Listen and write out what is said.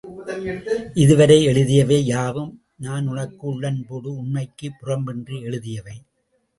இதுவரை எழுதியவை யாவும் நான் உனக்கு உள்ளன்போடு உண்மைக்குப் புறம்பின்றி எழுதியவை.